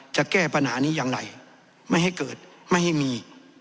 จะแก้ปัญหานี้อย่างไรไม่ให้เกิดไม่ให้มี